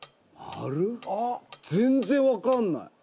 全然わかんない！